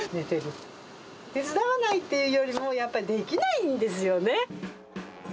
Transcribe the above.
手伝わないというよりも、やっぱりできないんですよね。